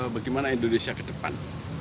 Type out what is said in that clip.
bagaimana indonesia ke depan